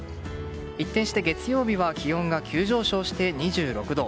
一転して月曜日は気温が急上昇して２６度。